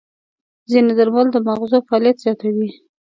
ځینې درمل د ماغزو فعالیت زیاتوي.